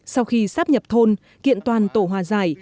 sau khi sắp nhập thôn kiện toàn tổ hòa giải